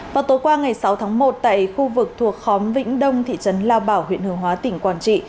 vào tối qua ngày sáu tháng một tại khu vực thuộc khóm vĩnh đông thị trấn lao bảo huyện hướng hóa tỉnh quảng trị